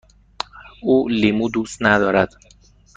او لیمو دوست ندارد.